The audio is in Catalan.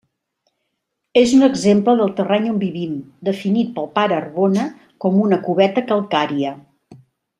És un exemple del terreny on vivim, definit pel pare Arbona com una cubeta calcària.